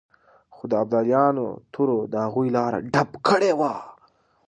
خو د ابدالیانو تورو د هغوی لاره ډب کړې وه.